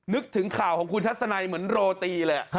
นึกถึงข่าวของคุณทัศนัยเหมือนโรตีเลย